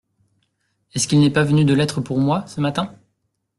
Est-ce qu’il n’est pas venu de lettre pour moi, ce matin ?